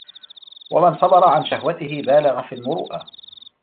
وَمَنْ صَبَرَ عَنْ شَهْوَتِهِ بَالَغَ فِي الْمُرُوَّةِ